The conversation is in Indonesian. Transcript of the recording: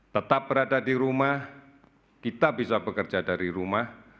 tetap berada di rumah kita bisa bekerja dari rumah